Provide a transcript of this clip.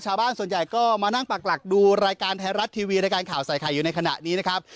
ชาวบ้านส่วนใหญ่ก็มานั่งปักหลักดูรายการไทยรัฐทีวีรายการข่าวใส่ไข่อยู่ในขณะนี้นะครับ